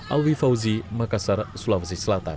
alwi fauzi makassar sulawesi selatan